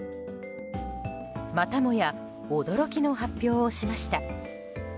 またもや驚きの発表をしました。